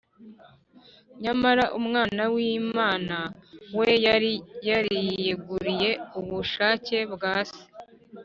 . Nyamara Umwana w’Imana we yari yariyeguriye ubushake bwa Se,